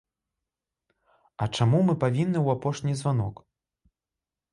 А чаму мы павінны ў апошні званок?